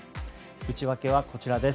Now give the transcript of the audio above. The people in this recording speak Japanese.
内訳はこちらです。